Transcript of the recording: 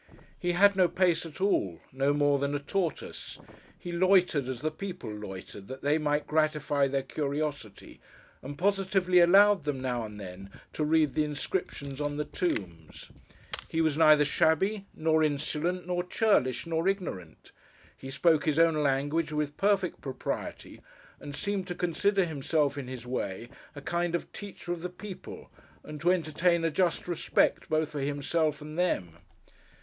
He had no pace at all; no more than a tortoise. He loitered as the people loitered, that they might gratify their curiosity; and positively allowed them, now and then, to read the inscriptions on the tombs. He was neither shabby, nor insolent, nor churlish, nor ignorant. He spoke his own language with perfect propriety, and seemed to consider himself, in his way, a kind of teacher of the people, and to entertain a just respect both for himself and them.